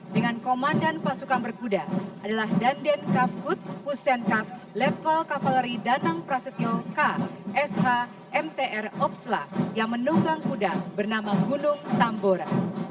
dengan komandan pasukan berkuda adalah danden kavkut pusenkaf letkol kavaleri danang prasetyo k s h m t r opsla yang menunggang kuda bernama gunung tambora